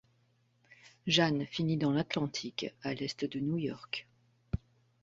Jeanne finit dans l'Atlantique à l'est de New York.